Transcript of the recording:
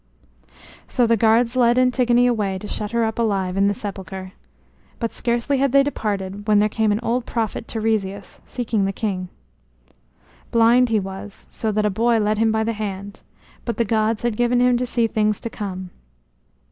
So the guards led Antigone away to shut her up alive in the sepulchre. But scarcely had they departed when there came an old prophet Tiresias, seeking the king. Blind he was, so that a boy led him by the hand; but the gods had given him to see things to come.